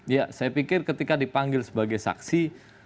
ya saya pikir ketika dipanggil sebagai saksi